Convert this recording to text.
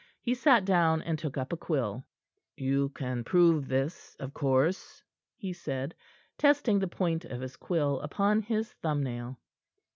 He sat down, and took up a quill. "You can prove this, of course?" he said, testing the point of his quill upon his thumb nail.